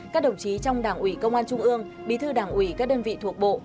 các đồng chí trong đảng ủy công an trung ương bí thư đảng ủy các đơn vị thuộc bộ